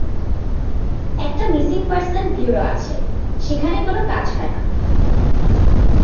একটা missing person bureau আছে, সেখানে কোনো কাজ হয় না।